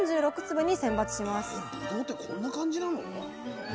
ぶどうってこんな感じなの？